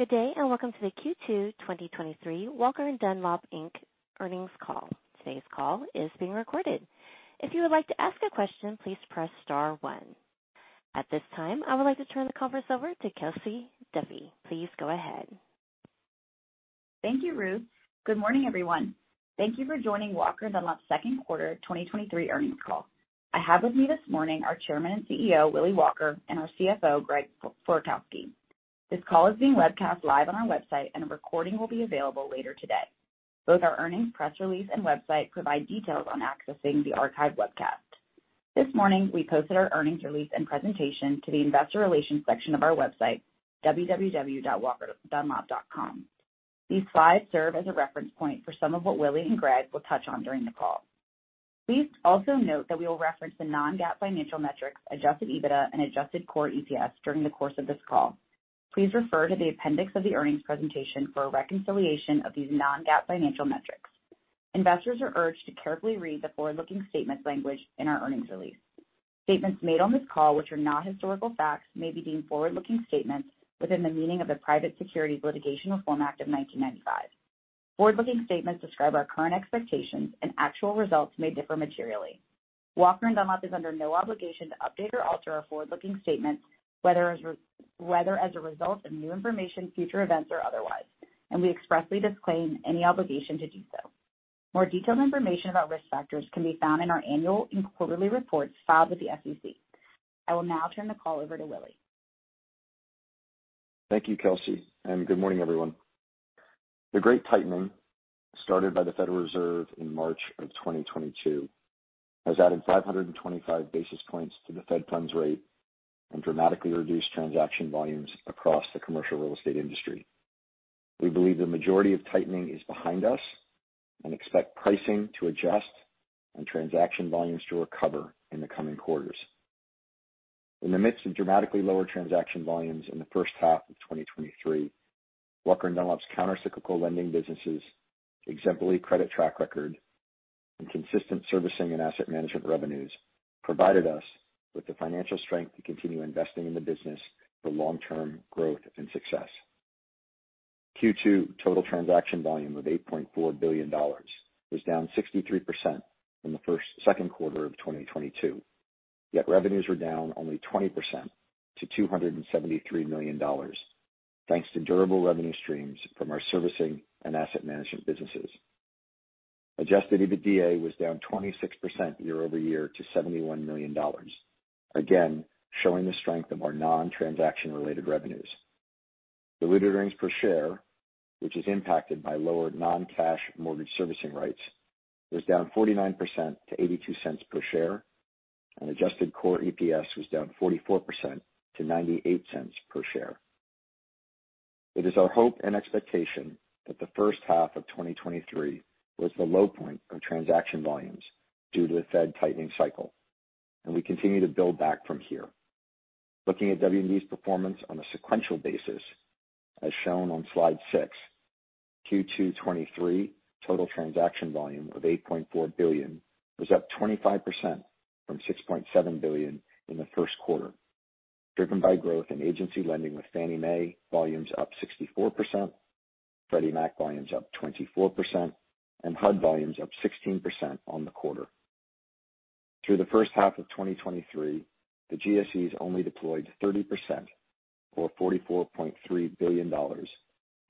Good day, welcome to the Q2 2023 Walker & Dunlop earnings call. Today's call is being recorded. If you would like to ask a question, please press star one. At this time, I would like to turn the conference over to Kelsey Duffy. Please go ahead. Thank you, Ruth. Good morning, everyone. Thank you for joining Walker & Dunlop second quarter 2023 earnings call. I have with me this morning our Chairman and CEO, Willie Walker, and our CFO, Greg Florkowski. This call is being webcast live on our website, and a recording will be available later today. Both our earnings, press release, and website provide details on accessing the archived webcast. This morning, we posted our earnings release and presentation to the investor relations section of our website, www.walkerdunlop.com. These slides serve as a reference point for some of what Willie and Greg will touch on during the call. Please also note that we will reference the non-GAAP financial metrics, adjusted EBITDA and adjusted core EPS during the course of this call. Please refer to the appendix of the earnings presentation for a reconciliation of these non-GAAP financial metrics. Investors are urged to carefully read the forward-looking statement language in our earnings release. Statements made on this call, which are not historical facts, may be deemed forward-looking statements within the meaning of the Private Securities Litigation Reform Act of 1995. Forward-looking statements describe our current expectations, and actual results may differ materially. Walker & Dunlop is under no obligation to update or alter our forward-looking statements, whether as a result of new information, future events, or otherwise, and we expressly disclaim any obligation to do so. More detailed information about risk factors can be found in our annual and quarterly reports filed with the SEC. I will now turn the call over to Willie. Thank you, Kelsey, and good morning, everyone. The Great Tightening, started by the Federal Reserve in March 2022, has added 525 basis points to the Fed funds rate and dramatically reduced transaction volumes across the commercial real estate industry. We believe the majority of tightening is behind us and expect pricing to adjust and transaction volumes to recover in the coming quarters. In the midst of dramatically lower transaction volumes in the first half of 2023, Walker & Dunlop's countercyclical lending businesses, exemplary credit track record, and consistent servicing and asset management revenues provided us with the financial strength to continue investing in the business for long-term growth and success. Q2 total transaction volume of $8.4 billion was down 63% from the second quarter of 2022, revenues were down only 20% to $273 million, thanks to durable revenue streams from our servicing and asset management businesses. Adjusted EBITDA was down 26% year-over-year to $71 million, again showing the strength of our non-transaction related revenues. Diluted earnings per share, which is impacted by lower non-cash mortgage servicing rates, was down 49% to $0.82 per share, adjusted core EPS was down 44% to $0.98 per share. It is our hope and expectation that the first half of 2023 was the low point of transaction volumes due to the Fed tightening cycle, we continue to build back from here. Looking at W&D's performance on a sequential basis, as shown on slide six, Q2 2023 total transaction volume of $8.4 billion was up 25% from $6.7 billion in the first quarter, driven by growth in agency lending with Fannie Mae, volumes up 64%, Freddie Mac volumes up 24%, and HUD volumes up 16% on the quarter. Through the first half of 2023, the GSEs only deployed 30%, or $44.3 billion,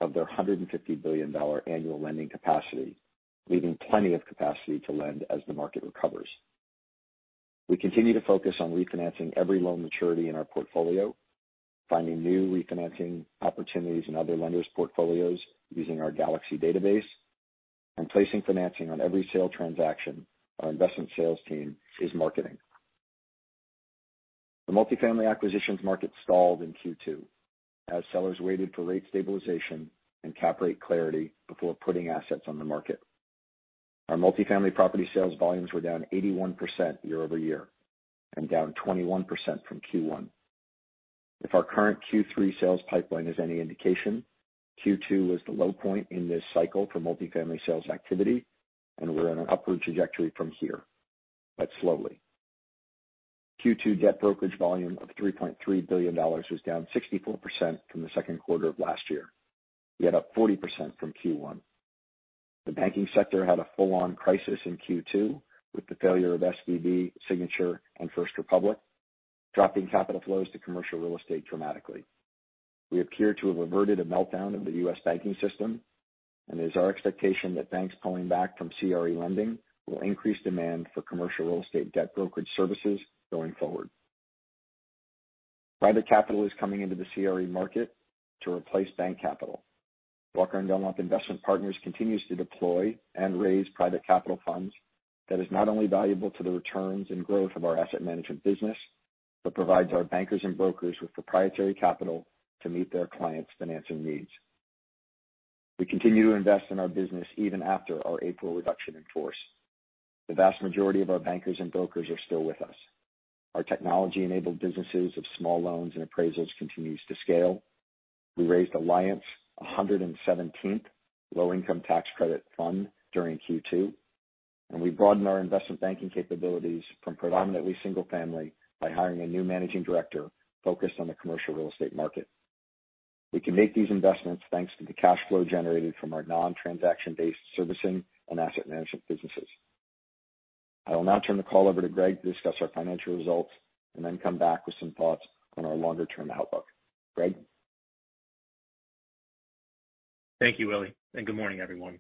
of their $150 billion annual lending capacity, leaving plenty of capacity to lend as the market recovers. We continue to focus on refinancing every loan maturity in our portfolio, finding new refinancing opportunities in other lenders' portfolios using our Galaxy database, and placing financing on every sale transaction our investment sales team is marketing. The multifamily acquisitions market stalled in Q2 as sellers waited for rate stabilization and cap rate clarity before putting assets on the market. Our multifamily property sales volumes were down 81% year-over-year and down 21% from Q1. If our current Q3 sales pipeline is any indication, Q2 was the low point in this cycle for multifamily sales activity, and we're on an upward trajectory from here, but slowly. Q2 debt brokerage volume of $3.3 billion was down 64% from the second quarter of last year, yet up 40% from Q1. The banking sector had a full-on crisis in Q2 with the failure of SVB, Signature, and First Republic, dropping capital flows to commercial real estate dramatically. We appear to have averted a meltdown of the U.S. banking system. It is our expectation that banks pulling back from CRE lending will increase demand for commercial real estate debt brokerage services going forward. Private capital is coming into the CRE market to replace bank capital. Walker & Dunlop Investment Partners continues to deploy and raise private capital funds that is not only valuable to the returns and growth of our asset management business, but provides our bankers and brokers with proprietary capital to meet their clients' financing needs. We continue to invest in our business even after our April reduction in force. The vast majority of our bankers and brokers are still with us. Our technology-enabled businesses of small loans and appraisals continues to scale. We raised Alliant, a 117th Low-Income Housing Tax Credit Fund during Q2.... We broadened our investment banking capabilities from predominantly single family by hiring a new managing director focused on the commercial real estate market. We can make these investments thanks to the cash flow generated from our non-transaction based servicing and asset management businesses. I will now turn the call over to Greg to discuss our financial results and then come back with some thoughts on our longer-term outlook. Greg? Thank you, Willy. Good morning, everyone.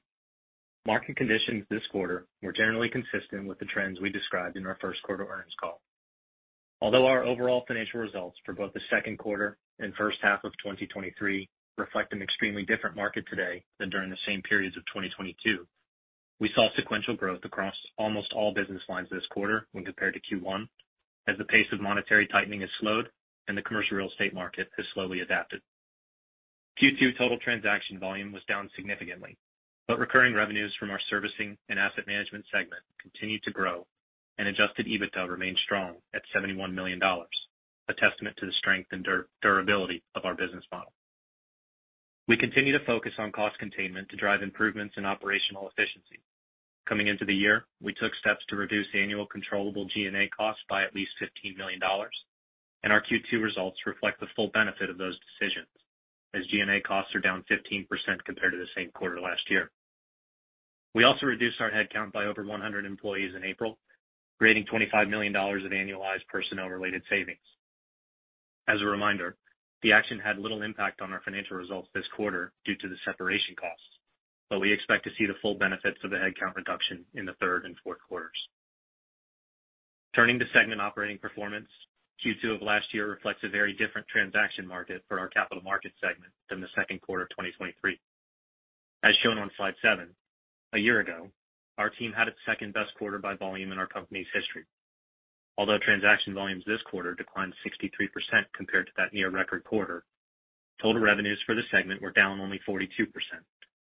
Market conditions this quarter were generally consistent with the trends we described in our first quarter earnings call. Although our overall financial results for both the second quarter and first half of 2023 reflect an extremely different market today than during the same periods of 2022, we saw sequential growth across almost all business lines this quarter when compared to Q1, as the pace of monetary tightening has slowed and the commercial real estate market has slowly adapted. Q2 total transaction volume was down significantly, but recurring revenues from our servicing and asset management segment continued to grow, and adjusted EBITDA remained strong at $71 million, a testament to the strength and durability of our business model. We continue to focus on cost containment to drive improvements in operational efficiency. Coming into the year, we took steps to reduce annual controllable G&A costs by at least $15 million. Our Q2 results reflect the full benefit of those decisions, as G&A costs are down 15% compared to the same quarter last year. We also reduced our headcount by over 100 employees in April, creating $25 million of annualized personnel-related savings. As a reminder, the action had little impact on our financial results this quarter due to the separation costs. We expect to see the full benefits of the headcount reduction in the third and fourth quarters. Turning to segment operating performance, Q2 of last year reflects a very different transaction market for our capital markets segment than the second quarter of 2023. As shown on slide 7, a year ago, our team had its second-best quarter by volume in our company's history. Although transaction volumes this quarter declined 63% compared to that near record quarter, total revenues for the segment were down only 42%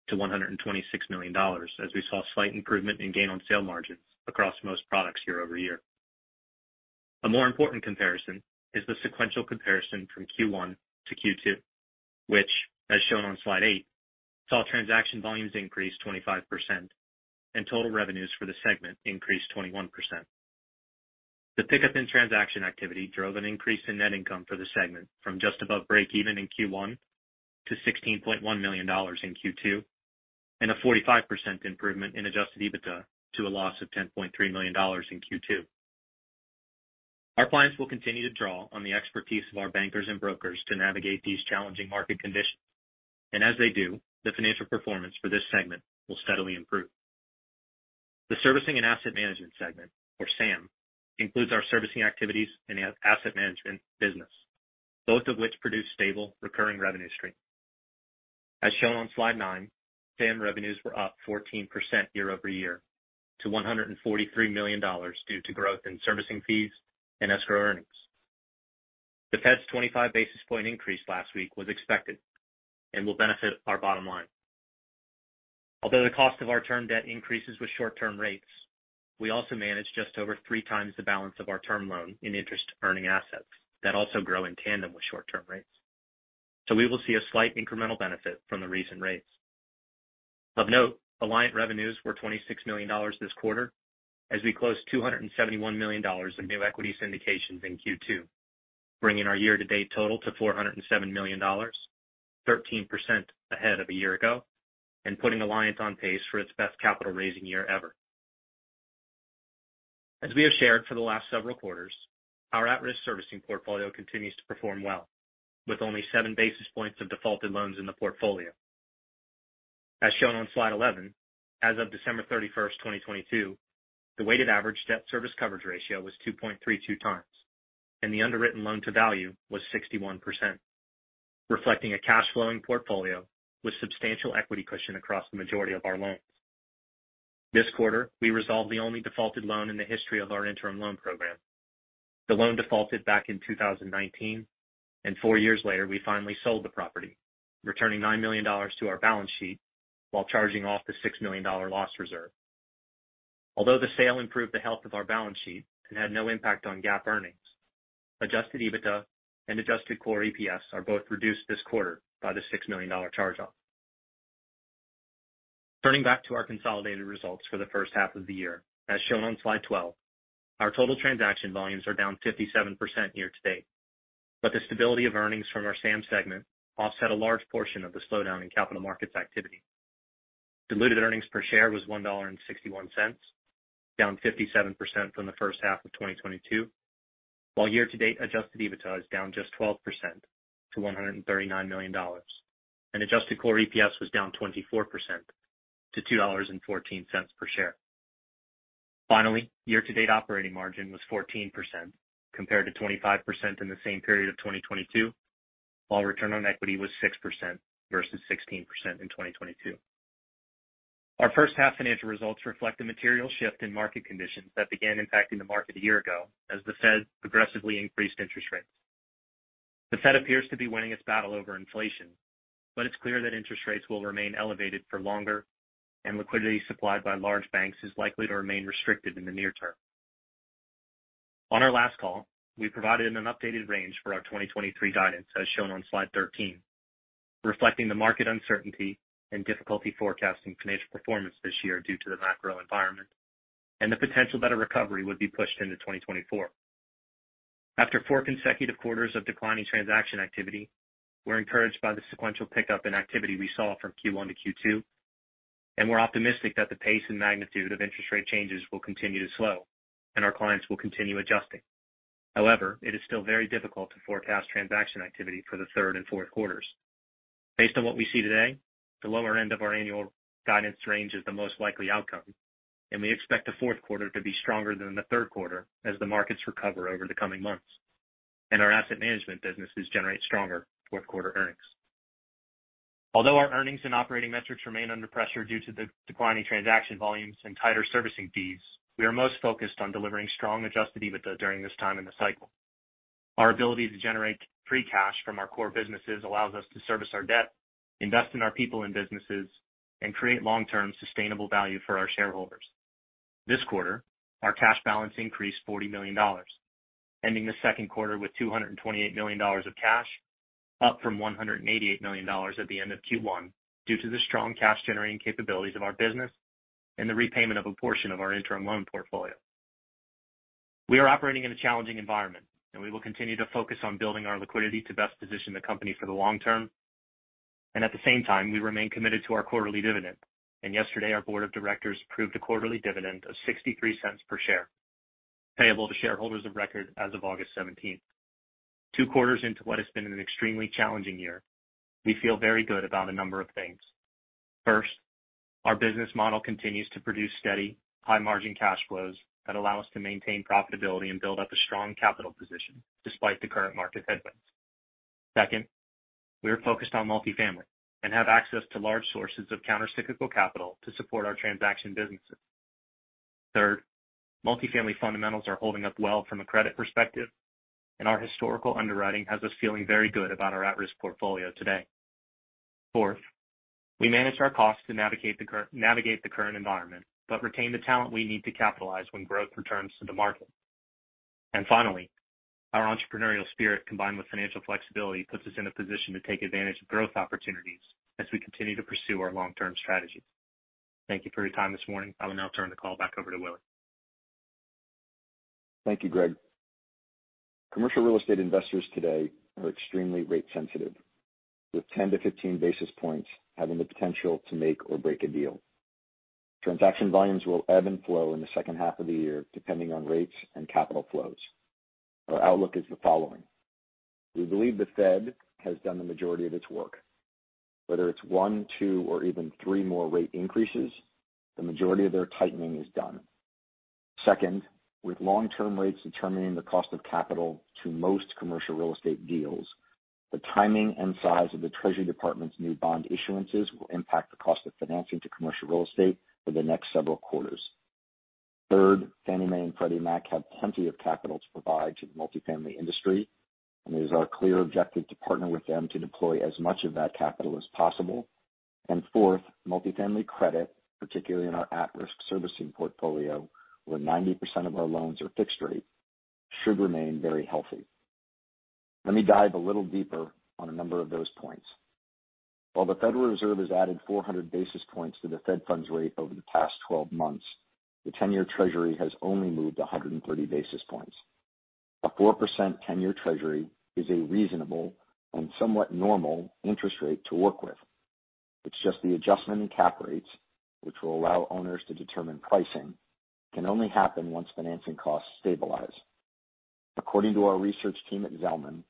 to $126 million, as we saw slight improvement in gain on sale margins across most products year-over-year. A more important comparison is the sequential comparison from Q1 to Q2, which, as shown on slide eight, saw transaction volumes increase 25% and total revenues for the segment increase 21%. The pickup in transaction activity drove an increase in net income for the segment from just above break even in Q1 to $16.1 million in Q2, and a 45% improvement in adjusted EBITDA to a loss of $10.3 million in Q2. Our clients will continue to draw on the expertise of our bankers and brokers to navigate these challenging market conditions. As they do, the financial performance for this segment will steadily improve. The servicing and asset management segment, or SAM, includes our servicing activities and asset management business, both of which produce stable, recurring revenue stream. As shown on slide nine, SAM revenues were up 14% year-over-year to $143 million, due to growth in servicing fees and escrow earnings. The Fed's 25 basis point increase last week was expected and will benefit our bottom line. Although the cost of our term debt increases with short-term rates, we also manage just over 3 times the balance of our term loan in interest-earning assets that also grow in tandem with short-term rates. We will see a slight incremental benefit from the recent rates. Of note, Alliant revenues were $26 million this quarter, as we closed $271 million in new equity syndications in Q2, bringing our year-to-date total to $407 million, 13% ahead of a year ago, and putting Alliant on pace for its best capital raising year ever. As we have shared for the last several quarters, our at-risk servicing portfolio continues to perform well, with only 7 basis points of defaulted loans in the portfolio. As shown on slide 11, as of December 31, 2022, the weighted average debt service coverage ratio was 2.32 times, and the underwritten loan to value was 61%, reflecting a cash flowing portfolio with substantial equity cushion across the majority of our loans. This quarter, we resolved the only defaulted loan in the history of our interim loan program. The loan defaulted back in 2019, and four years later, we finally sold the property, returning $9 million to our balance sheet while charging off the $6 million loss reserve. Although the sale improved the health of our balance sheet and had no impact on GAAP earnings, adjusted EBITDA and adjusted core EPS are both reduced this quarter by the $6 million charge-off. Turning back to our consolidated results for the first half of the year. As shown on slide 12, our total transaction volumes are down 57% year to date, but the stability of earnings from our SAM segment offset a large portion of the slowdown in capital markets activity. Diluted earnings per share was $1.61, down 57% from the first half of 2022, while year-to-date adjusted EBITDA is down just 12% to $139 million, adjusted core EPS was down 24% to $2.14 per share. Finally, year-to-date operating margin was 14%, compared to 25% in the same period of 2022, while return on equity was 6% versus 16% in 2022. Our first half financial results reflect a material shift in market conditions that began impacting the market a year ago as the Fed progressively increased interest rates. The Fed appears to be winning its battle over inflation, it's clear that interest rates will remain elevated for longer, and liquidity supplied by large banks is likely to remain restricted in the near term. On our last call, we provided an updated range for our 2023 guidance, as shown on slide 13, reflecting the market uncertainty and difficulty forecasting financial performance this year due to the macro environment and the potential that a recovery would be pushed into 2024. After four consecutive quarters of declining transaction activity, we're encouraged by the sequential pickup in activity we saw from Q1 to Q2, and we're optimistic that the pace and magnitude of interest rate changes will continue to slow, and our clients will continue adjusting. However, it is still very difficult to forecast transaction activity for the third and fourth quarters. Based on what we see today, the lower end of our annual guidance range is the most likely outcome, and we expect the fourth quarter to be stronger than the third quarter as the markets recover over the coming months and our asset management businesses generate stronger fourth quarter earnings. Although our earnings and operating metrics remain under pressure due to the declining transaction volumes and tighter servicing fees, we are most focused on delivering strong adjusted EBITDA during this time in the cycle. Our ability to generate free cash from our core businesses allows us to service our debt, invest in our people and businesses, and create long-term sustainable value for our shareholders. This quarter, our cash balance increased $40 million, ending the second quarter with $228 million of cash, up from $188 million at the end of Q1, due to the strong cash-generating capabilities of our business and the repayment of a portion of our interim loan portfolio. We are operating in a challenging environment, and we will continue to focus on building our liquidity to best position the company for the long term. At the same time, we remain committed to our quarterly dividend. Yesterday, our board of directors approved a quarterly dividend of $0.63 per share, payable to shareholders of record as of August 17th. Two quarters into what has been an extremely challenging year, we feel very good about a number of things. First, our business model continues to produce steady, high-margin cash flows that allow us to maintain profitability and build up a strong capital position despite the current market headwinds. Second, we are focused on multifamily and have access to large sources of countercyclical capital to support our transaction businesses. Third, multifamily fundamentals are holding up well from a credit perspective, and our historical underwriting has us feeling very good about our at-risk portfolio today. Fourth, we manage our costs to navigate the current environment, but retain the talent we need to capitalize when growth returns to the market. Finally, our entrepreneurial spirit, combined with financial flexibility, puts us in a position to take advantage of growth opportunities as we continue to pursue our long-term strategy. Thank you for your time this morning. I will now turn the call back over to Willy. Thank you, Greg. Commercial real estate investors today are extremely rate sensitive, with 10-15 basis points having the potential to make or break a deal. Transaction volumes will ebb and flow in the second half of the year, depending on rates and capital flows. Our outlook is the following: We believe the Fed has done the majority of its work. Whether it's one, two, or even three more rate increases, the majority of their tightening is done. Second, with long-term rates determining the cost of capital to most commercial real estate deals, the timing and size of the Treasury Department's new bond issuances will impact the cost of financing to commercial real estate for the next several quarters. Third, Fannie Mae and Freddie Mac have plenty of capital to provide to the multifamily industry, it is our clear objective to partner with them to deploy as much of that capital as possible. Fourth, multifamily credit, particularly in our at-risk servicing portfolio, where 90% of our loans are fixed rate, should remain very healthy. Let me dive a little deeper on a number of those points. While the Federal Reserve has added 400 basis points to the federal funds rate over the past 12 months, the 10-year Treasury has only moved 130 basis points. A 4% 10-year Treasury is a reasonable and somewhat normal interest rate to work with. It's just the adjustment in cap rates, which will allow owners to determine pricing, can only happen once financing costs stabilize. According to our research team at Zelman,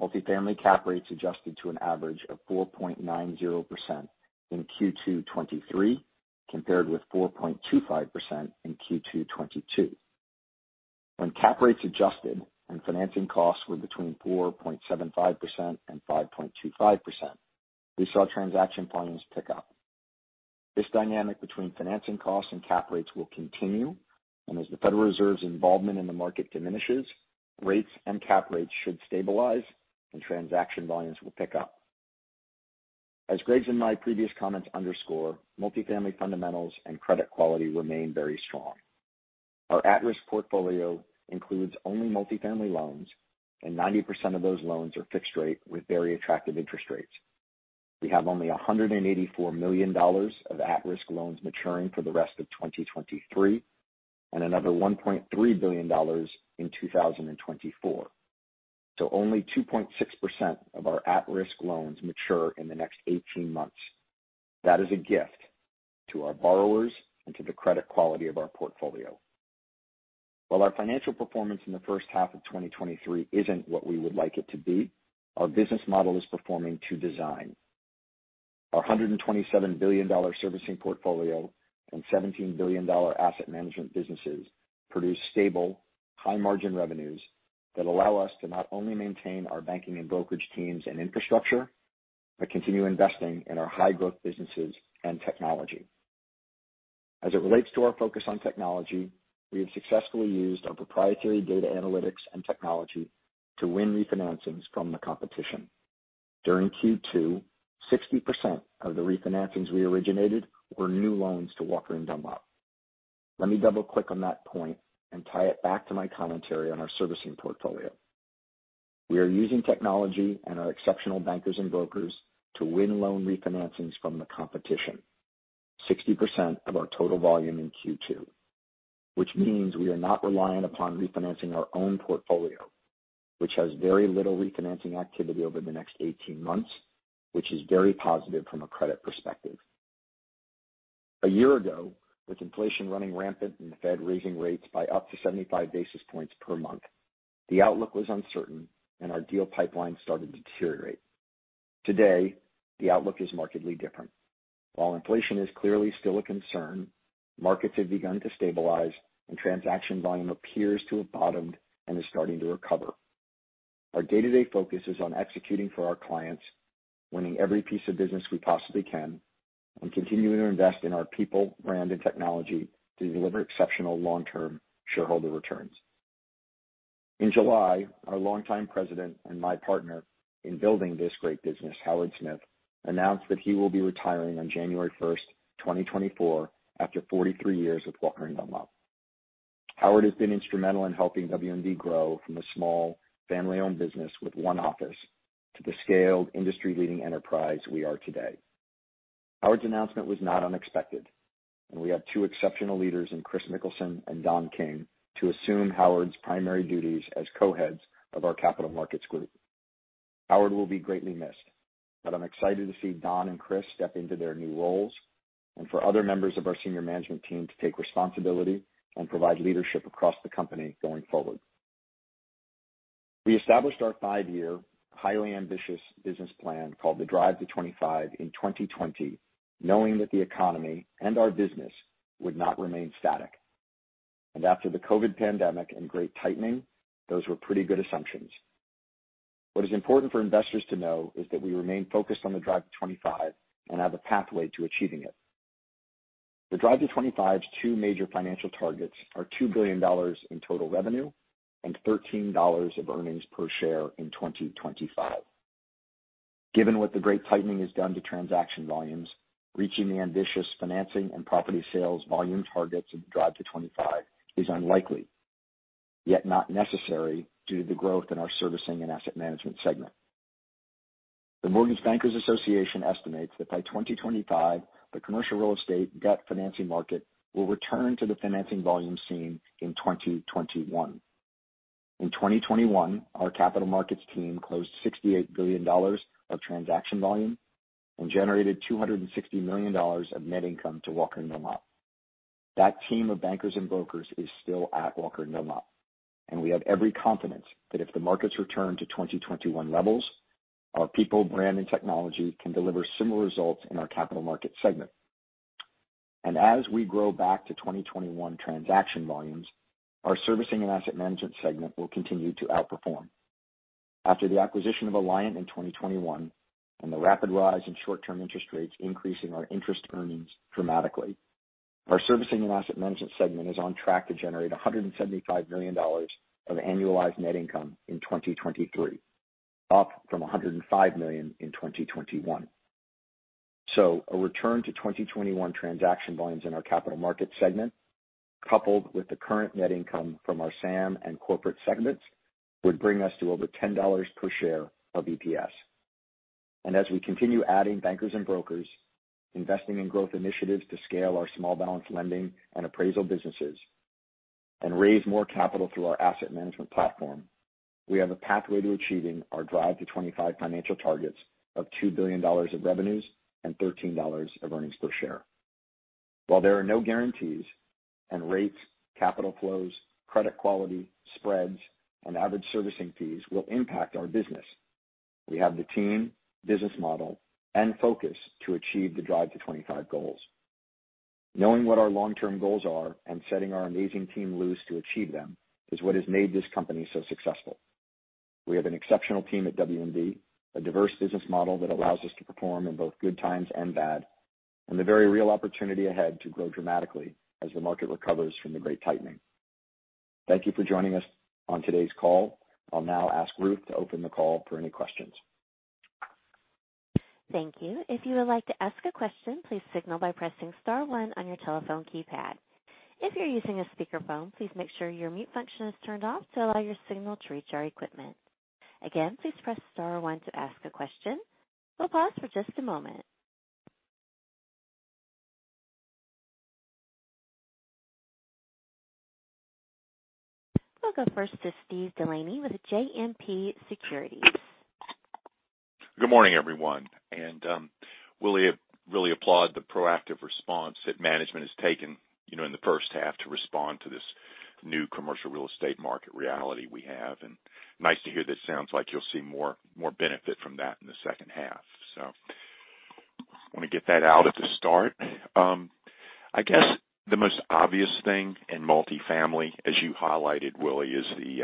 multifamily cap rates adjusted to an average of 4.90% in Q2 2023, compared with 4.25% in Q2 2022. When cap rates adjusted and financing costs were between 4.75% and 5.25%, we saw transaction volumes pick up. This dynamic between financing costs and cap rates will continue, and as the Federal Reserve's involvement in the market diminishes, rates and cap rates should stabilize and transaction volumes will pick up. As Greg's and my previous comments underscore, multifamily fundamentals and credit quality remain very strong. Our at-risk portfolio includes only multifamily loans, and 90% of those loans are fixed rate with very attractive interest rates. We have only $184 million of at-risk loans maturing for the rest of 2023 and another $1.3 billion in 2024. Only 2.6% of our at-risk loans mature in the next 18 months. That is a gift to our borrowers and to the credit quality of our portfolio. While our financial performance in the first half of 2023 isn't what we would like it to be, our business model is performing to design. Our $127 billion servicing portfolio and $17 billion asset management businesses produce stable, high margin revenues that allow us to not only maintain our banking and brokerage teams and infrastructure, but continue investing in our high growth businesses and technology. As it relates to our focus on technology, we have successfully used our proprietary data analytics and technology to win refinancings from the competition. During Q2, 60% of the refinancings we originated were new loans to Walker & Dunlop. Let me double-click on that point and tie it back to my commentary on our servicing portfolio. We are using technology and our exceptional bankers and brokers to win loan refinancings from the competition. 60% of our total volume in Q2, which means we are not reliant upon refinancing our own portfolio, which has very little refinancing activity over the next 18 months, which is very positive from a credit perspective. A year ago, with inflation running rampant and the Fed raising rates by up to 75 basis points per month, the outlook was uncertain and our deal pipeline started to deteriorate. Today, the outlook is markedly different. While inflation is clearly still a concern, markets have begun to stabilize and transaction volume appears to have bottomed and is starting to recover. Our day-to-day focus is on executing for our clients, winning every piece of business we possibly can, and continuing to invest in our people, brand, and technology to deliver exceptional long-term shareholder returns. In July, our longtime President and my partner in building this great business, Howard Smith, announced that he will be retiring on January 1st, 2024, after 43 years with Walker & Dunlop. Howard has been instrumental in helping W&D grow from a small, family-owned business with one office to the scaled, industry-leading enterprise we are today. Howard's announcement was not unexpected, and we have two exceptional leaders in Kris Mikkelsen and Don King to assume Howard's primary duties as Co-Heads of our Capital Markets group. Howard will be greatly missed, but I'm excited to see Don and Kris step into their new roles and for other members of our senior management team to take responsibility and provide leadership across the company going forward. We established our five-year, highly ambitious business plan, called the Drive to 25, in 2020, knowing that the economy and our business would not remain static. After the COVID pandemic and great tightening, those were pretty good assumptions. What is important for investors to know is that we remain focused on the Drive to 25 and have a pathway to achieving it. The Drive to 25's two major financial targets are $2 billion in total revenue and $13 of earnings per share in 2025. Given what the great tightening has done to transaction volumes, reaching the ambitious financing and property sales volume targets of the Drive to Twenty-Five is unlikely, yet not necessary, due to the growth in our servicing and asset management segment. The Mortgage Bankers Association estimates that by 2025, the commercial real estate debt financing market will return to the financing volume seen in 2021. In 2021, our capital markets team closed $68 billion of transaction volume and generated $260 million of net income to Walker & Dunlop. That team of bankers and brokers is still at Walker & Dunlop, and we have every confidence that if the markets return to 2021 levels, our people, brand, and technology can deliver similar results in our capital market segment. As we grow back to 2021 transaction volumes, our servicing and asset management segment will continue to outperform. After the acquisition of Alliant in 2021 and the rapid rise in short-term interest rates increasing our interest earnings dramatically, our servicing and asset management segment is on track to generate $175 million of annualized net income in 2023, up from $105 million in 2021. A return to 2021 transaction volumes in our capital market segment, coupled with the current net income from our SAM and corporate segments, would bring us to over $10 per share of EPS. As we continue adding bankers and brokers, investing in growth initiatives to scale our small balance lending and appraisal businesses, and raise more capital through our asset management platform, we have a pathway to achieving our Drive to Twenty-Five financial targets of $2 billion in revenues and $13 of earnings per share. While there are no guarantees, rates, capital flows, credit quality, spreads, and average servicing fees will impact our business, we have the team, business model, and focus to achieve the Drive to Twenty-Five goals. Knowing what our long-term goals are and setting our amazing team loose to achieve them is what has made this company so successful. We have an exceptional team at W&D, a diverse business model that allows us to perform in both good times and bad, and the very real opportunity ahead to grow dramatically as the market recovers from the great tightening. Thank you for joining us on today's call. I'll now ask Ruth to open the call for any questions. Thank you. If you would like to ask a question, please signal by pressing star one on your telephone keypad. If you're using a speakerphone, please make sure your mute function is turned off to allow your signal to reach our equipment. Again, please press star one to ask a question. We'll pause for just a moment. We'll go first to Steve Delaney with JMP Securities. Good morning, everyone, Willie, I really applaud the proactive response that management has taken, you know, in the first half to respond to this new commercial real estate market reality we have. Nice to hear that it sounds like you'll see more, more benefit from that in the second half. I want to get that out at the start. I guess the most obvious thing in multifamily, as you highlighted, Willie, is the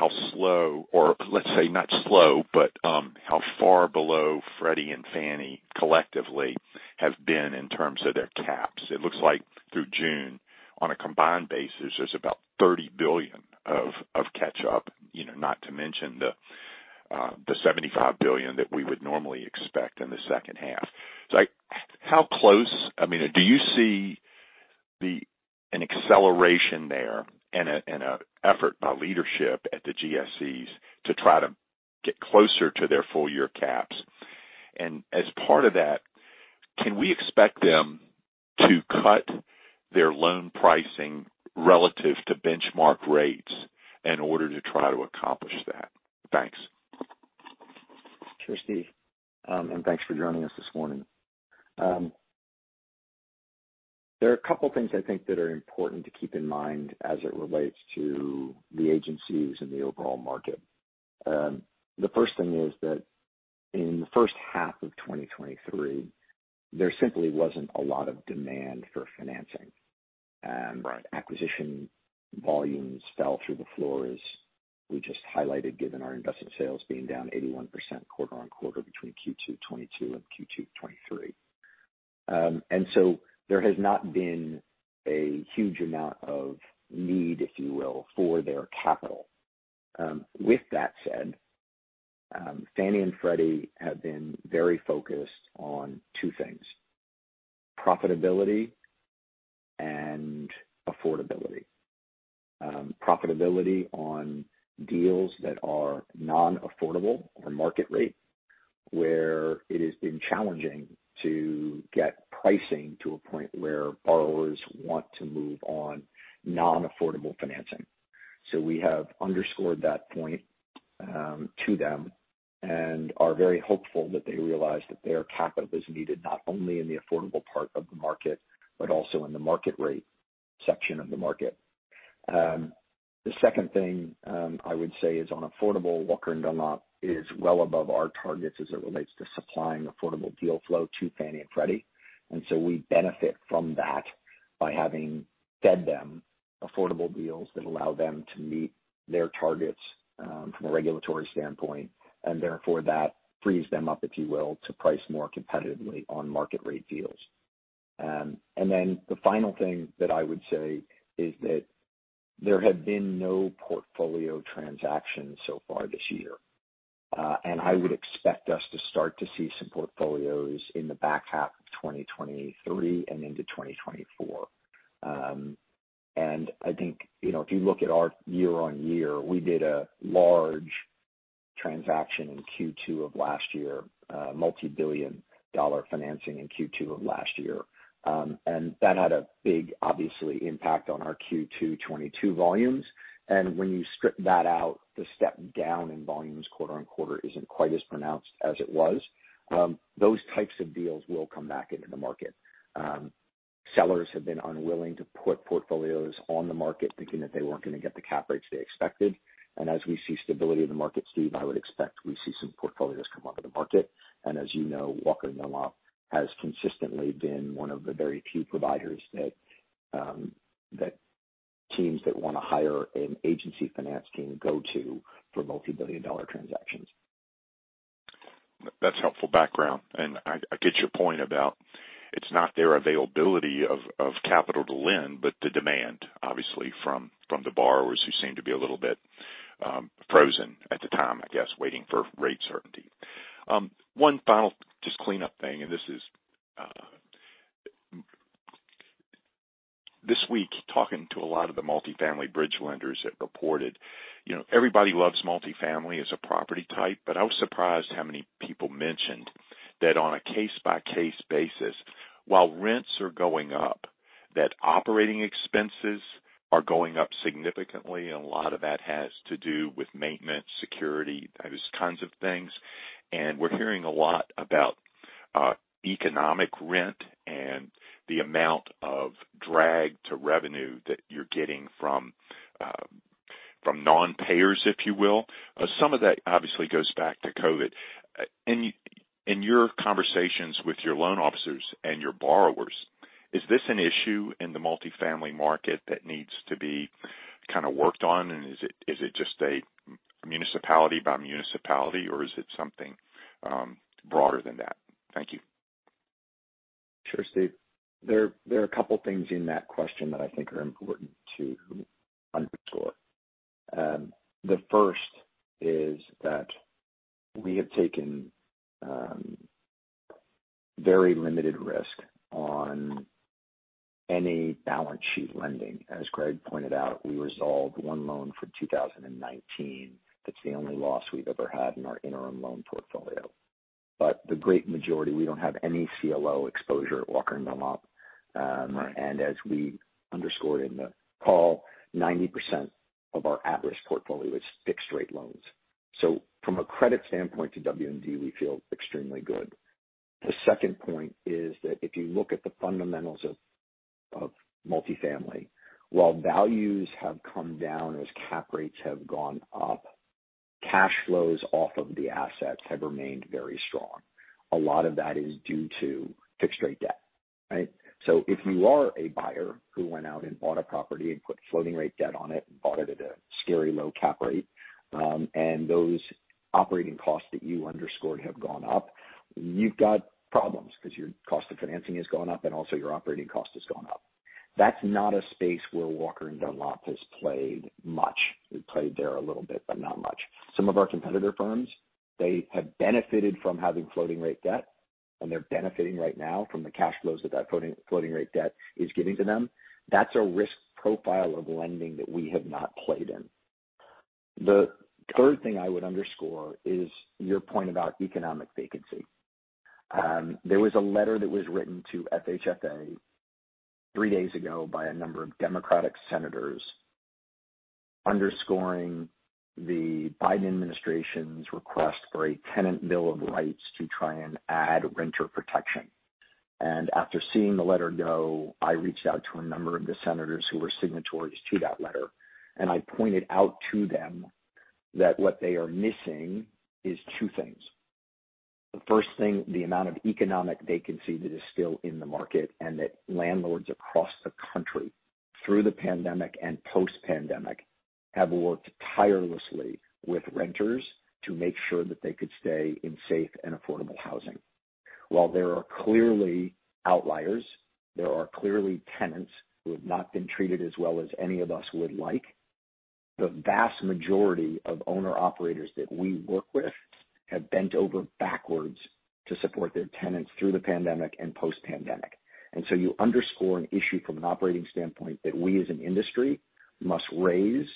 how slow or let's say not slow, but how far below Freddie and Fannie collectively have been in terms of their caps. It looks like through June, on a combined basis, there's about $30 billion of, of catch up, you know, not to mention the $75 billion that we would normally expect in the second half. how close, I mean, do you see an acceleration there and an effort by leadership at the GSEs to try to get closer to their full-year caps? As part of that, can we expect them to cut their loan pricing relative to benchmark rates in order to try to accomplish that? Thanks. Sure, Steve, thanks for joining us this morning. There are a couple things I think that are important to keep in mind as it relates to the agencies and the overall market. The first thing is that in the first half of 2023, there simply wasn't a lot of demand for financing. Right. - acquisition volumes fell through the floor, as we just highlighted, given our investment sales being down 81% quarter-on-quarter between Q2 2022 and Q2 2023. There has not been a huge amount of need, if you will, for their capital. With that said, Fannie and Freddie have been very focused on 2 things: profitability and affordability. Profitability on deals that are non-affordable or market rate, where it has been challenging to get pricing to a point where borrowers want to move on non-affordable financing. We have underscored that point, to them, and are very hopeful that they realize that their capital is needed, not only in the affordable part of the market, but also in the market rate section of the market. The second thing, I would say, is on affordable, Walker & Dunlop is well above our targets as it relates to supplying affordable deal flow to Fannie and Freddie. We benefit from that by having fed them affordable deals that allow them to meet their targets from a regulatory standpoint. That frees them up, if you will, to price more competitively on market rate deals. The final thing that I would say is that there have been no portfolio transactions so far this year. I would expect us to start to see some portfolios in the back half of 2023 and into 2024. I think, you know, if you look at our year-on-year, we did a large transaction in Q2 of last year, a multi-billion dollar financing in Q2 of last year. That had a big, obviously, impact on our Q2 2022 volumes, and when you strip that out, the step down in volumes quarter-on-quarter isn't quite as pronounced as it was. Those types of deals will come back into the market. Sellers have been unwilling to put portfolios on the market, thinking that they weren't going to get the cap rates they expected, and as we see stability in the market, Steve, I would expect we see some portfolios come onto the market. As you know, Walker & Dunlop has consistently been one of the very few providers that, that teams that want to hire an agency finance team go to for multi-billion dollar transactions. That's helpful background, and I, I get your point about it's not their availability of, of capital to lend, but the demand, obviously, from, from the borrowers who seem to be a little bit frozen at the time, I guess, waiting for rate certainty. One final just cleanup thing, and this is. This week, talking to a lot of the multifamily bridge lenders that reported, you know, everybody loves multifamily as a property type, but I was surprised how many people mentioned that on a case-by-case basis, while rents are going up, that operating expenses are going up significantly, and a lot of that has to do with maintenance, security, those kinds of things. We're hearing a lot about economic rent and the amount of drag to revenue that you're getting from non-payers, if you will. Some of that obviously goes back to COVID. In your conversations with your loan officers and your borrowers, is this an issue in the multifamily market that needs to be kind of worked on? Is it, is it just a municipality by municipality, or is it something, broader than that? Thank you. Sure, Steve. There are 2 things in that question that I think are important to underscore. The first is that we have taken very limited risk on any balance sheet lending. As Greg pointed out, we resolved 1 loan from 2019. That's the only loss we've ever had in our interim loan portfolio. The great majority, we don't have any CLO exposure at Walker & Dunlop. Right. As we underscored in the call, 90% of our at-risk portfolio is fixed-rate loans. From a credit standpoint to W&D, we feel extremely good. The second point is that if you look at the fundamentals of multifamily, while values have come down as cap rates have gone up, cash flows off of the assets have remained very strong. A lot of that is due to fixed-rate debt, right? If you are a buyer who went out and bought a property and put floating rate debt on it, and bought it at a scary low cap rate, and those operating costs that you underscored have gone up, you've got problems because your cost of financing has gone up and also your operating cost has gone up. That's not a space where Walker & Dunlop has played much. We've played there a little bit, but not much. Some of our competitor firms, they have benefited from having floating rate debt, and they're benefiting right now from the cash flows that that floating, floating rate debt is giving to them. That's a risk profile of lending that we have not played in. The third thing I would underscore is your point about economic vacancy. There was a letter that was written to FHFA 3 days ago by a number of Democratic senators underscoring the Biden administration's request for a Tenant Bill of Rights to try and add renter protection. After seeing the letter go, I reached out to a number of the senators who were signatories to that letter, and I pointed out to them that what they are missing is 2 things. The first thing, the amount of economic vacancy that is still in the market, and that landlords across the country, through the pandemic and post-pandemic, have worked tirelessly with renters to make sure that they could stay in safe and affordable housing. While there are clearly outliers, there are clearly tenants who have not been treated as well as any of us would like, the vast majority of owner-operators that we work with have bent over backwards to support their tenants through the pandemic and post-pandemic. So you underscore an issue from an operating standpoint that we as an industry must raise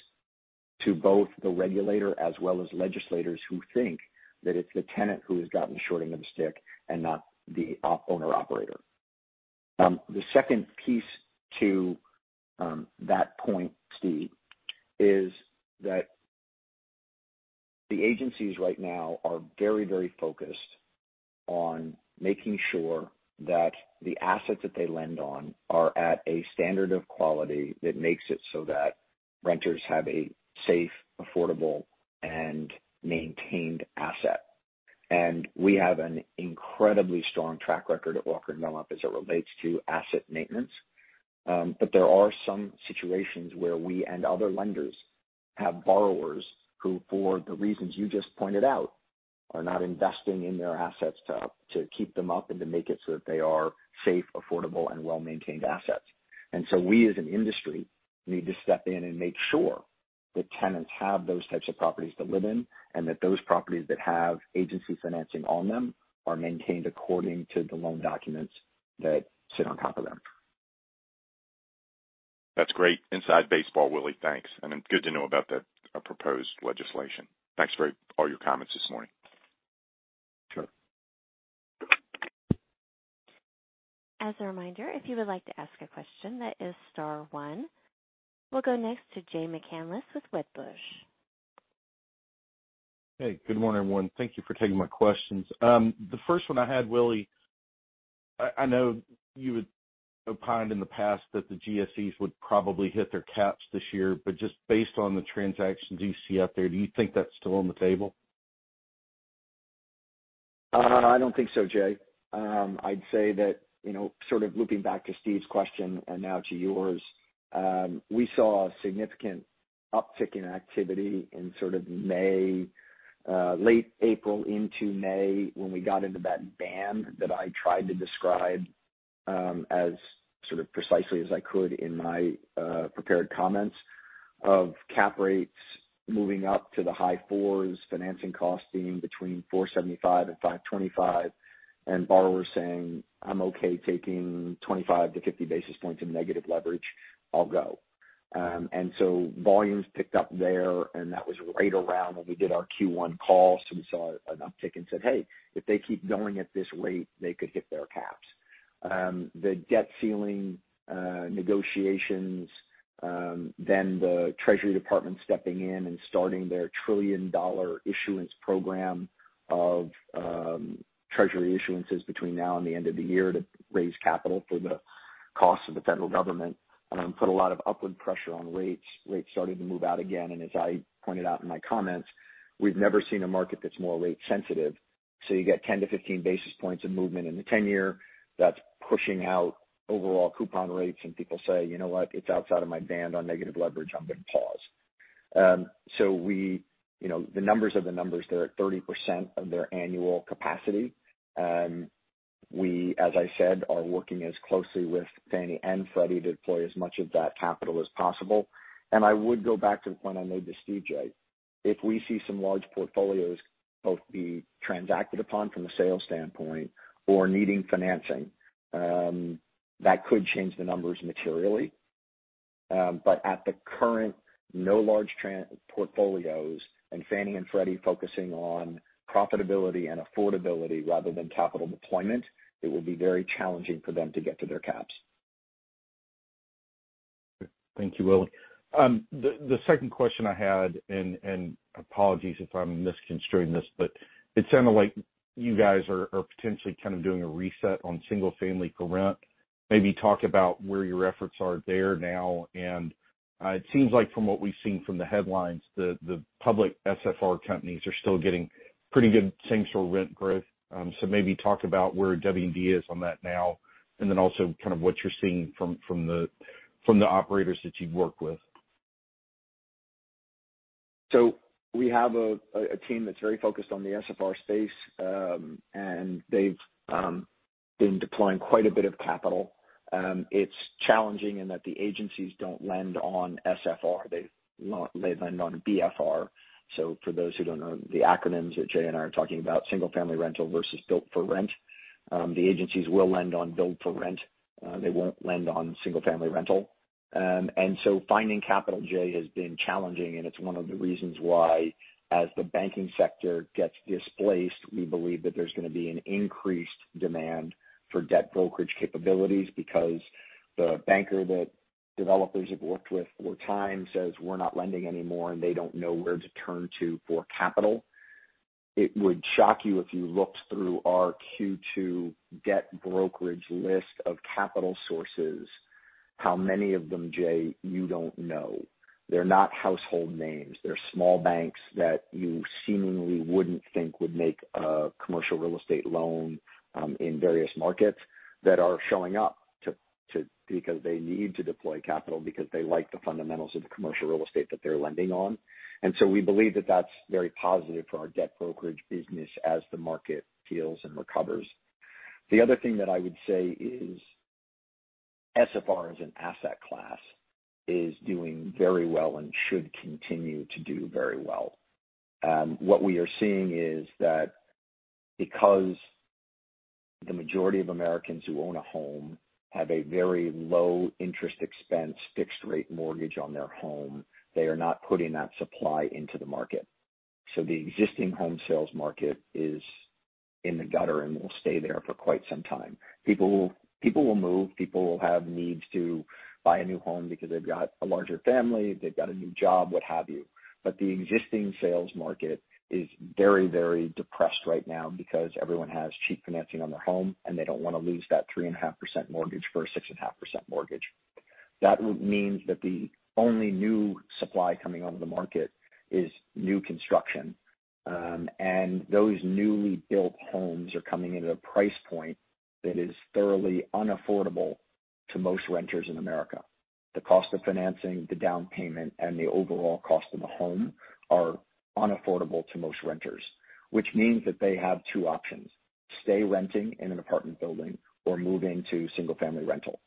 to both the regulator as well as legislators who think that it's the tenant who has gotten the short end of the stick and not the owner-operator. The second piece to that point, Steve, is that the agencies right now are very, very focused on making sure that the assets that they lend on are at a standard of quality that makes it so that renters have a safe, affordable, and maintained asset. We have an incredibly strong track record at Walker & Dunlop as it relates to asset maintenance. There are some situations where we and other lenders have borrowers who, for the reasons you just pointed out, are not investing in their assets to, to keep them up and to make it so that they are safe, affordable, and well-maintained assets. We, as an industry, need to step in and make sure that tenants have those types of properties to live in, and that those properties that have agency financing on them are maintained according to the loan documents that sit on top of them. That's great. Inside baseball, Willy. Thanks, good to know about that, proposed legislation. Thanks for all your comments this morning. Sure. As a reminder, if you would like to ask a question, that is star one. We'll go next to Jay McCanless with Wedbush. Hey, good morning, everyone. Thank you for taking my questions. The first one I had, Willy, I know you had opined in the past that the GSEs would probably hit their caps this year, just based on the transactions you see out there, do you think that's still on the table? I don't think so, Jay. I'd say that, you know, sort of looping back to Steve's question and now to yours, we saw a significant uptick in activity in sort of May, late April into May, when we got into that band that I tried to describe, as sort of precisely as I could in my prepared comments, of cap rates moving up to the high fours, financing costs being between 4.75% and 5.25%, and borrowers saying, "I'm okay taking 25-50 basis points of negative leverage. I'll go." Volumes picked up there, and that was right around when we did our Q1 call. We saw an uptick and said, "Hey, if they keep going at this rate, they could hit their caps." The debt ceiling negotiations, then the U.S. Department of the Treasury stepping in and starting their $1 trillion issuance program of treasury issuances between now and the end of the year to raise capital for the cost of the federal government, put a lot of upward pressure on rates. Rates started to move out again, and as I pointed out in my comments, we've never seen a market that's more rate sensitive. You get 10-15 basis points of movement in the 10-year Treasury, that's pushing out overall coupon rates, and people say, "You know what? It's outside of my band on negative leverage. I'm going to pause." We... You know, the numbers are the numbers. They're at 30% of their annual capacity. We, as I said, are working as closely with Fannie and Freddie to deploy as much of that capital as possible. I would go back to the point I made to Steve, Jay. If we see some large portfolios both be transacted upon from a sales standpoint or needing financing, that could change the numbers materially. At the current, no large trans- portfolios, and Fannie and Freddie focusing on profitability and affordability rather than capital deployment, it will be very challenging for them to get to their caps. Thank you, Willie. The second question I had, and apologies if I'm misconstruing this, but it sounded like you guys are potentially kind of doing a reset on single-family rent. Maybe talk about where your efforts are there now. It seems like from what we've seen from the headlines, the public SFR companies are still getting pretty good same-store rent growth. Maybe talk about where W&D is on that now, and then also kind of what you're seeing from the operators that you've worked with. We have a team that's very focused on the SFR space, and they've been deploying quite a bit of capital. It's challenging in that the agencies don't lend on SFR. They lend on BFR. For those who don't know the acronyms that Jay and I are talking about, Single Family Rental versus Built-for-Rent. The agencies will lend on Built-for-Rent, they won't lend on Single Family Rental. And so finding capital, Jay, has been challenging, and it's one of the reasons why, as the banking sector gets displaced, we believe that there's gonna be an increased demand for debt brokerage capabilities, because the banker that developers have worked with for time says we're not lending anymore, and they don't know where to turn to for capital. It would shock you if you looked through our Q2 debt brokerage list of capital sources, how many of them, Jay, you don't know. They're not household names. They're small banks that you seemingly wouldn't think would make a commercial real estate loan, in various markets, that are showing up because they need to deploy capital, because they like the fundamentals of the commercial real estate that they're lending on. So we believe that that's very positive for our debt brokerage business as the market heals and recovers. The other thing that I would say is, SFR as an asset class is doing very well and should continue to do very well. What we are seeing is that because the majority of Americans who own a home have a very low interest expense, fixed-rate mortgage on their home, they are not putting that supply into the market. The existing home sales market is in the gutter and will stay there for quite some time. People will, people will move, people will have needs to buy a new home because they've got a larger family, they've got a new job, what have you. The existing sales market is very, very depressed right now because everyone has cheap financing on their home, and they don't wanna lose that 3.5% mortgage for a 6.5% mortgage. That would means that the only new supply coming onto the market is new construction. Those newly built homes are coming in at a price point that is thoroughly unaffordable to most renters in America. The cost of financing, the down payment, and the overall cost of the home are unaffordable to most renters, which means that they have two options: stay renting in an apartment building or move into single-family rental.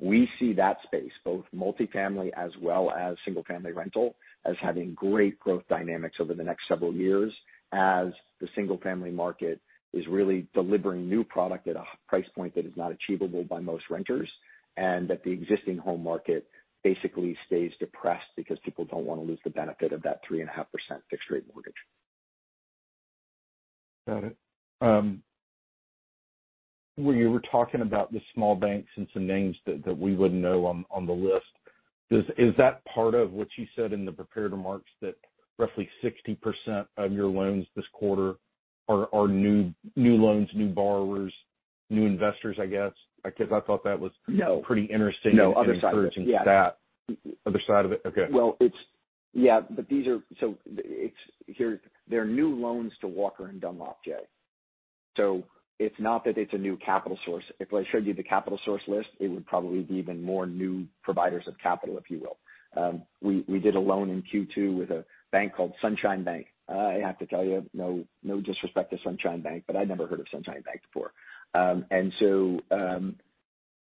We see that space, both multifamily as well as single-family rental, as having great growth dynamics over the next several years, as the single-family market is really delivering new product at a price point that is not achievable by most renters, and that the existing home market basically stays depressed because people don't want to lose the benefit of that 3.5% fixed-rate mortgage. Got it. When you were talking about the small banks and some names that, that we wouldn't know on, on the list, is that part of what you said in the prepared remarks, that roughly 60% of your loans this quarter are new, new loans, new borrowers, new investors, I guess? No. Pretty interesting. No, other side. encouraging that. Other side of it? Okay. It's... Yeah, but these are, it's, here, they're new loans to Walker & Dunlop, Jay. It's not that it's a new capital source. If I showed you the capital source list, it would probably be even more new providers of capital, if you will. We, we did a loan in Q2 with a bank called Sunshine Bank. I have to tell you, no, no disrespect to Sunshine Bank, but I'd never heard of Sunshine Bank before.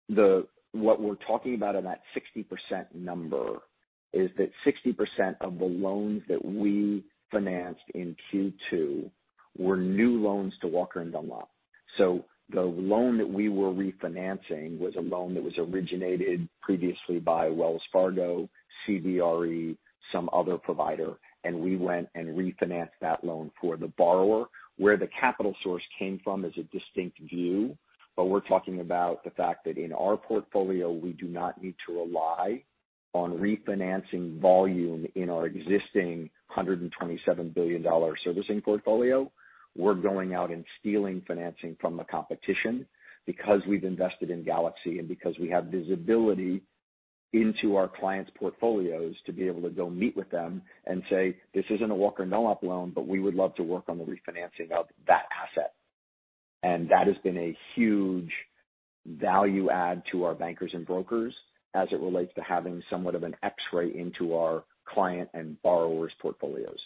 The, what we're talking about in that 60% number is that 60% of the loans that we financed in Q2 were new loans to Walker & Dunlop. The loan that we were refinancing was a loan that was originated previously by Wells Fargo, CBRE, some other provider, and we went and refinanced that loan for the borrower. Where the capital source came from is a distinct view, but we're talking about the fact that in our portfolio, we do not need to rely on refinancing volume in our existing $127 billion servicing portfolio. We're going out and stealing financing from the competition because we've invested in Galaxy and because we have visibility into our clients' portfolios to be able to go meet with them and say, "This isn't a Walker & Dunlop loan, but we would love to work on the refinancing of that asset." That has been a huge value add to our bankers and brokers as it relates to having somewhat of an X-ray into our client and borrowers' portfolios.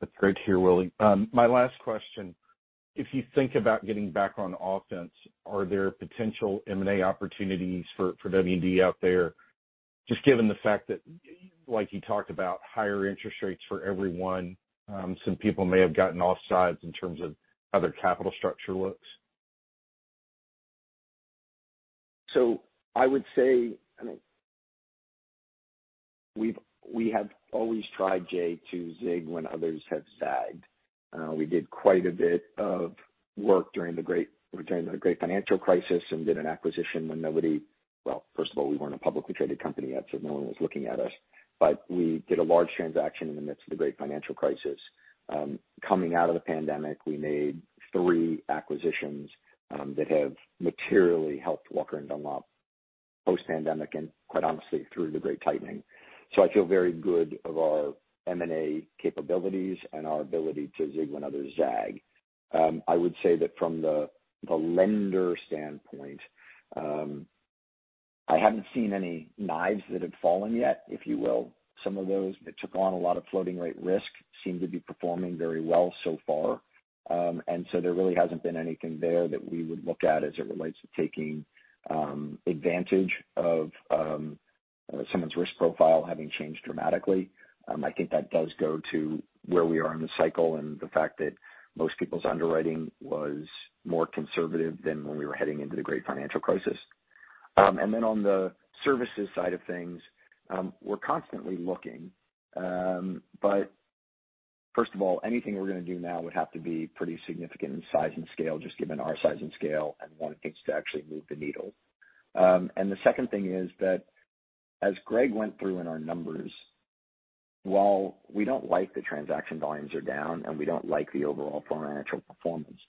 That's great to hear, Willy. My last question: If you think about getting back on offense, are there potential M&A opportunities for, for W&D out there, just given the fact that, like you talked about, higher interest rates for everyone, some people may have gotten off sides in terms of how their capital structure looks? I would say, I think we have always tried, Jay, to zig when others have zagged. We did quite a bit of work during the Great Financial Crisis and did an acquisition when nobody... Well, first of all, we weren't a publicly traded company yet, so no one was looking at us. We did a large transaction in the midst of the Great Financial Crisis. Coming out of the pandemic, we made 3 acquisitions that have materially helped Walker & Dunlop post-pandemic and, quite honestly, through the great tightening... I feel very good of our M&A capabilities and our ability to zig when others zag. I would say that from the, the lender standpoint, I haven't seen any knives that have fallen yet, if you will. Some of those that took on a lot of floating rate risk seem to be performing very well so far. There really hasn't been anything there that we would look at as it relates to taking advantage of someone's risk profile having changed dramatically. I think that does go to where we are in the cycle and the fact that most people's underwriting was more conservative than when we were heading into the Great Financial Crisis. On the services side of things, we're constantly looking. First of all, anything we're gonna do now would have to be pretty significant in size and scale, just given our size and scale, and want things to actually move the needle. The second thing is that, as Greg went through in our numbers, while we don't like the transaction volumes are down, and we don't like the overall financial performance,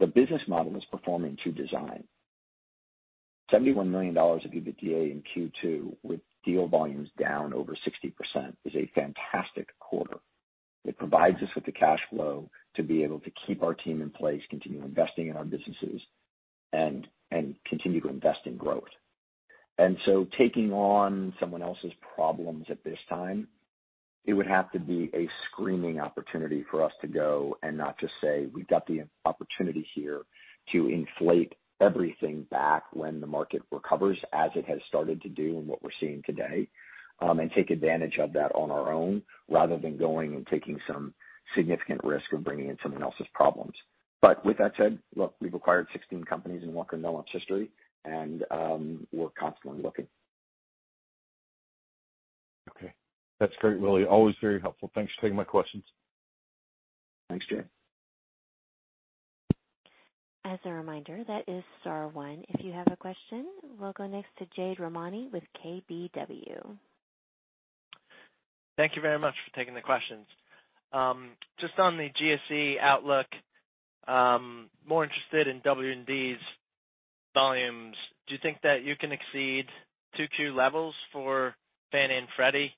the business model is performing to design. $71 million of EBITDA in Q2, with deal volumes down over 60%, is a fantastic quarter. It provides us with the cash flow to be able to keep our team in place, continue investing in our businesses, and, and continue to invest in growth. So taking on someone else's problems at this time, it would have to be a screaming opportunity for us to go and not just say: We've got the opportunity here to inflate everything back when the market recovers, as it has started to do and what we're seeing today. Take advantage of that on our own, rather than going and taking some significant risk and bringing in someone else's problems. With that said, look, we've acquired 16 companies in Walker & Dunlop's history, and we're constantly looking. Okay. That's great, Willy. Always very helpful. Thanks for taking my questions. Thanks, Jay. As a reminder, that is star one if you have a question. We'll go next to Jade Rahmani with KBW. Thank you very much for taking the questions. Just on the GSE outlook, more interested in W&D's volumes. Do you think that you can exceed 2Q levels for Fannie and Freddie?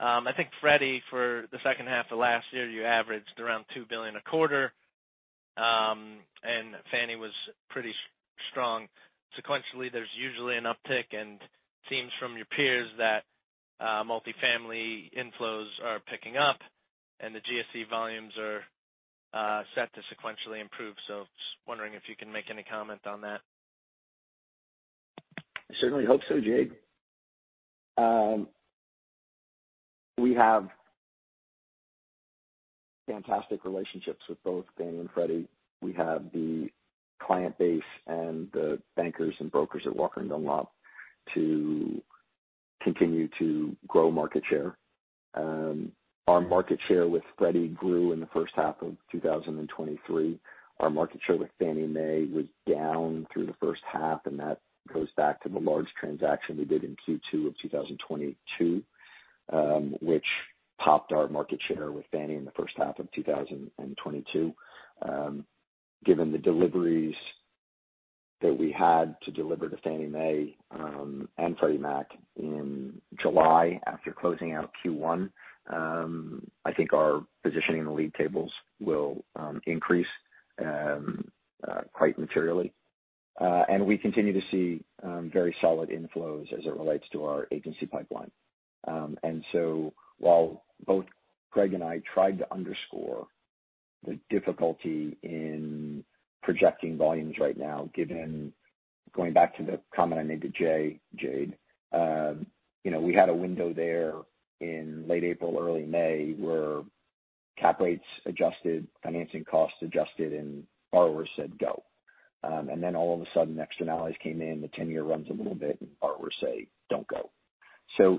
I think Freddie, for the second half of last year, you averaged around $2 billion a quarter, and Fannie was pretty strong. Sequentially, there's usually an uptick, and it seems from your peers that multifamily inflows are picking up, and the GSE volumes are set to sequentially improve. Just wondering if you can make any comment on that. I certainly hope so, Jade. We have fantastic relationships with both Fannie and Freddie. We have the client base and the bankers and brokers at Walker & Dunlop to continue to grow market share. Our market share with Freddie grew in the first half of 2023. Our market share with Fannie Mae was down through the first half, and that goes back to the large transaction we did in Q2 of 2022, which popped our market share with Fannie in the first half of 2022. Given the deliveries that we had to deliver to Fannie Mae and Freddie Mac in July, after closing out Q1, I think our positioning in the league tables will increase quite materially. We continue to see very solid inflows as it relates to our agency pipeline. So while both Greg and I tried to underscore the difficulty in projecting volumes right now, given -- going back to the comment I made to Jay, Jade, you know, we had a window there in late April, early May, where cap rates adjusted, financing costs adjusted, and borrowers said, "Go." Then all of a sudden, externalities came in, the 10-year runs a little bit, and borrowers say, "Don't go."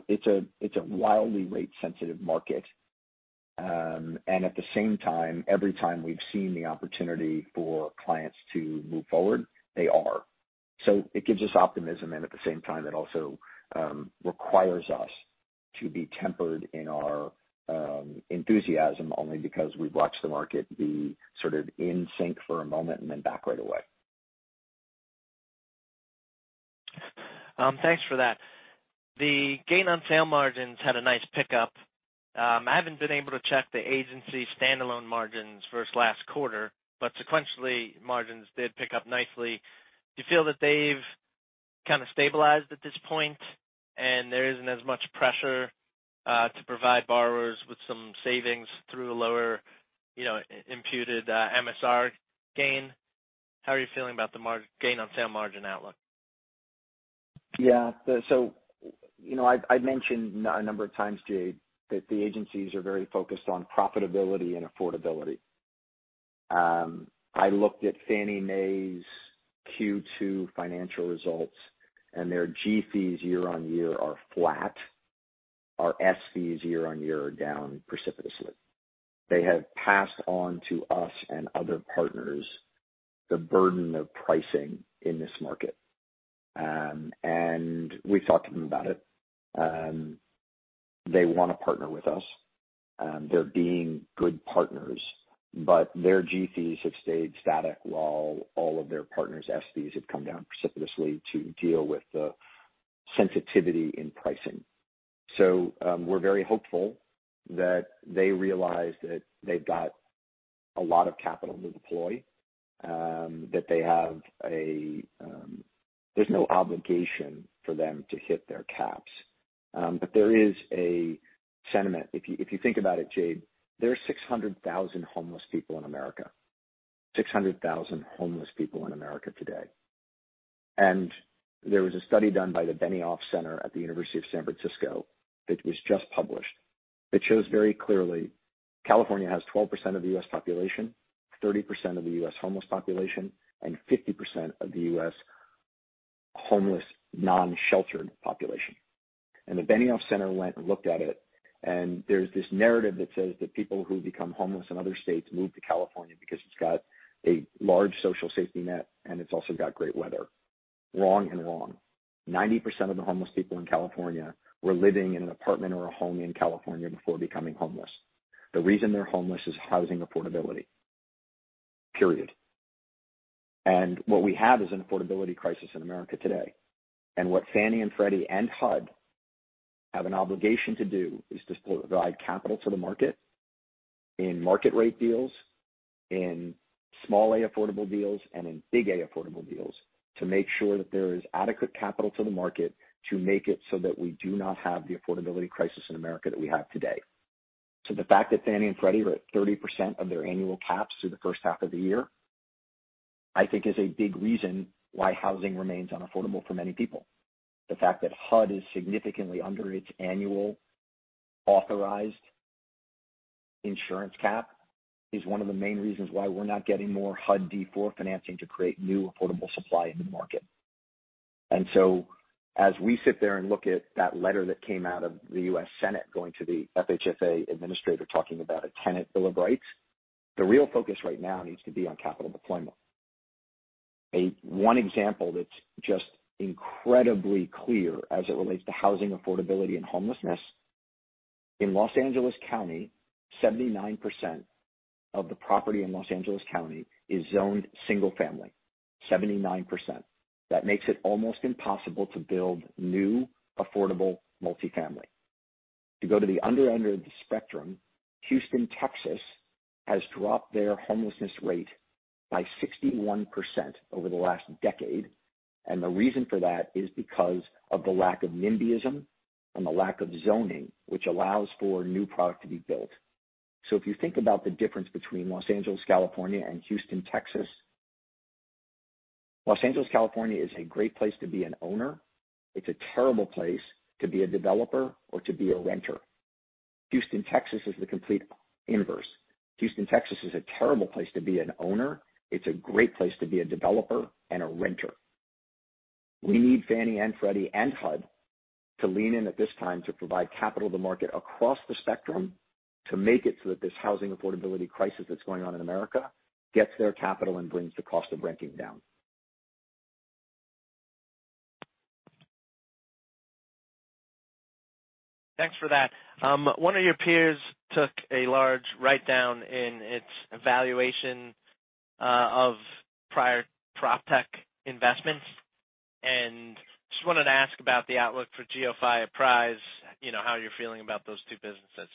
It's a, it's a wildly rate-sensitive market. At the same time, every time we've seen the opportunity for clients to move forward, they are. It gives us optimism, and at the same time, it also requires us to be tempered in our enthusiasm, only because we've watched the market be sort of in sync for a moment and then back right away. Thanks for that. The gain on sale margins had a nice pickup. I haven't been able to check the agency standalone margins versus last quarter, but sequentially, margins did pick up nicely. Do you feel that they've kind of stabilized at this point, and there isn't as much pressure, to provide borrowers with some savings through a lower, you know, imputed, MSR gain? How are you feeling about the gain on sale margin outlook? Yeah. So, you know, I, I've mentioned a number of times, Jade, that the agencies are very focused on profitability and affordability. I looked at Fannie Mae's Q2 financial results, and their g-fees year-over-year are flat. Our S fees year-over-year are down precipitously. They have passed on to us and other partners the burden of pricing in this market. And we've talked to them about it. They want to partner with us. They're being good partners, but their g-fees have stayed static while all of their partners' F fees have come down precipitously to deal with the sensitivity in pricing. We're very hopeful that they realize that they've got a lot of capital to deploy, that they have a, there's no obligation for them to hit their caps. But there is a sentiment. If you, if you think about it, Jade, there are 600,000 homeless people in America. 600,000 homeless people in America today. There was a study done by the Benioff Center at the University of California, San Francisco that was just published. It shows very clearly, California has 12% of the U.S. population, 30% of the U.S. homeless population, and 50% of the U.S. homeless, non-sheltered population. The Benioff Center went and looked at it, and there's this narrative that says that people who become homeless in other states move to California because it's got a large social safety net, and it's also got great weather. Wrong and wrong. 90% of the homeless people in California were living in an apartment or a home in California before becoming homeless. The reason they're homeless is housing affordability, period. What we have is an affordability crisis in America today. What Fannie and Freddie and HUD have an obligation to do, is to provide capital to the market in market rate deals, in small A affordable deals, and in big A affordable deals, to make sure that there is adequate capital to the market to make it so that we do not have the affordability crisis in America that we have today. The fact that Fannie and Freddie are at 30% of their annual caps through the first half of the year, I think is a big reason why housing remains unaffordable for many people. The fact that HUD is significantly under its annual authorized insurance cap is one of the main reasons why we're not getting more HUD D-four financing to create new affordable supply in the market. As we sit there and look at that letter that came out of the U.S. Senate going to the FHFA administrator, talking about a tenant Bill of Rights, the real focus right now needs to be on capital deployment. One example that's just incredibly clear as it relates to housing affordability and homelessness. In Los Angeles County, 79% of the property in Los Angeles County is zoned single family. 79%. That makes it almost impossible to build new, affordable multifamily. If you go to the under end of the spectrum, Houston, Texas, has dropped their homelessness rate by 61% over the last decade, and the reason for that is because of the lack of NIMBYism and the lack of zoning, which allows for new product to be built. If you think about the difference between Los Angeles, California, and Houston, Texas, Los Angeles, California, is a great place to be an owner. It's a terrible place to be a developer or to be a renter. Houston, Texas, is the complete inverse. Houston, Texas, is a terrible place to be an owner. It's a great place to be a developer and a renter. We need Fannie and Freddie and HUD to lean in at this time to provide capital to the market across the spectrum, to make it so that this housing affordability crisis that's going on in America gets their capital and brings the cost of renting down. Thanks for that. One of your peers took a large write-down in its evaluation of prior PropTech investments, just wanted to ask about the outlook for GeoPhy, Apprise, you know, how you're feeling about those two businesses.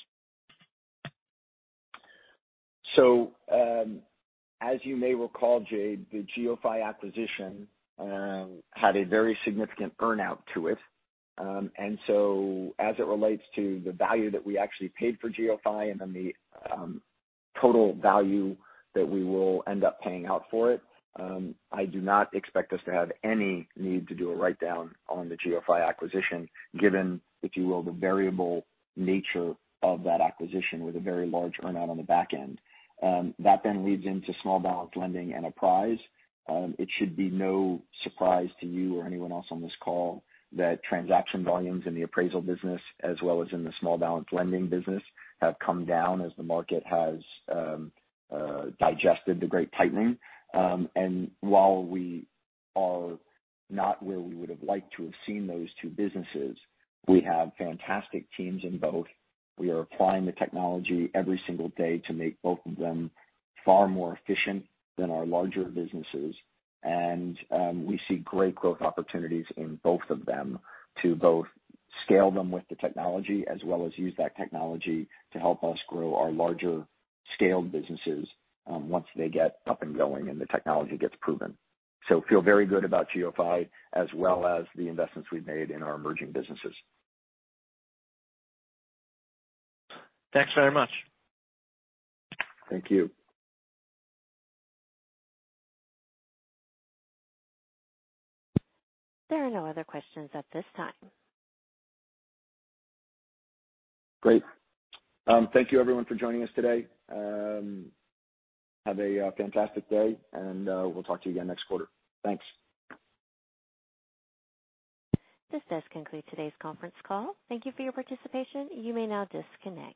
As you may recall, Jade, the GeoPhy acquisition had a very significant earn-out to it. As it relates to the value that we actually paid for GeoPhy and then the total value that we will end up paying out for it, I do not expect us to have any need to do a write-down on the GeoPhy acquisition, given, if you will, the variable nature of that acquisition with a very large earn-out on the back end. That leads into small balance lending and Apprise. It should be no surprise to you or anyone else on this call that transaction volumes in the appraisal business, as well as in the small balance lending business, have come down as the market has digested the great tightening. While we are not where we would have liked to have seen those two businesses, we have fantastic teams in both. We are applying the technology every single day to make both of them far more efficient than our larger businesses. We see great growth opportunities in both of them to both scale them with the technology, as well as use that technology to help us grow our larger-scaled businesses, once they get up and going and the technology gets proven. Feel very good about GeoPhy as well as the investments we've made in our emerging businesses. Thanks very much. Thank you. There are no other questions at this time. Great. Thank you everyone for joining us today. Have a fantastic day, and we'll talk to you again next quarter. Thanks. This does conclude today's conference call. Thank you for your participation. You may now disconnect.